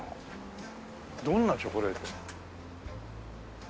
どんなチョコレート？